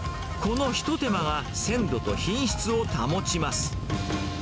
この一手間が鮮度と品質を保ちます。